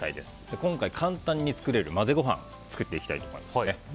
今回、簡単に作れる混ぜご飯を作っていきたいと思います。